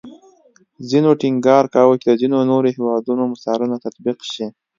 ځینو ټینګار کوو چې د ځینې نورو هیوادونو مثالونه تطبیق شي